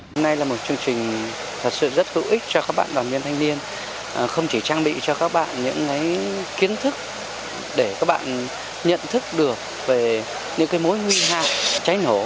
hôm nay là một chương trình thật sự rất hữu ích cho các bạn đoàn viên thanh niên không chỉ trang bị cho các bạn những kiến thức để các bạn nhận thức được về những mối nguy hại cháy nổ